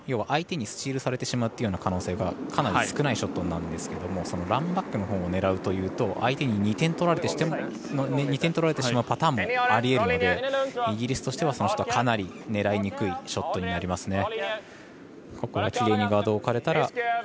相手にスチールされてしまうっていうような可能性がかなり少ないショットになるんですけどランバックのほうを狙うというと相手に２点取られてしまうパターンもありえるのでイギリスとしてはかなり狙いにくいショットになります。